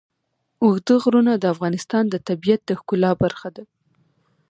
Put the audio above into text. اوږده غرونه د افغانستان د طبیعت د ښکلا برخه ده.